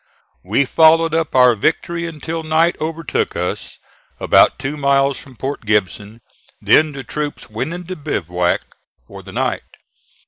We followed up our victory until night overtook us about two miles from Port Gibson; then the troops went into bivouac for the night.